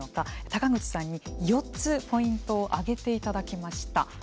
高口さんに４つ、ポイントを挙げていただきました。